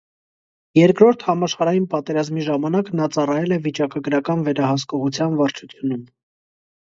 Երկրորդ համաշխարհային պատերազմի ժամանակ նա ծառայել է վիճակագրական վերահսկողության վարչությունում։